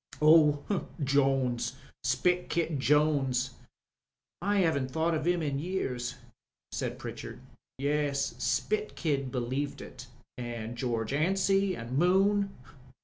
"Oh, Jones, Spit Kid Jones. I 'aven't thought of 'im in years," said Pritchard. "Yes, Spit Kid believed it, an* Greorge Anstey and Moon.